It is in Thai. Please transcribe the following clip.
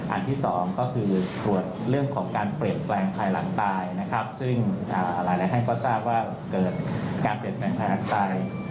อันที่สองก็คือตรวจเรื่องของการเปลี่ยนแปลงภายหลังตายนะครับซึ่งหลายท่านก็ทราบว่าเกิดการเปลี่ยนแปลงภายหลังตาย